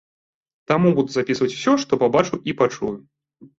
Таму буду запісваць усё, што пабачу і пачую.